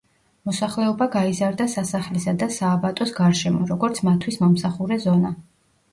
მოსახლეობა გაიზარდა სასახლისა და სააბატოს გარშემო, როგორც მათთვის მომსახურე ზონა.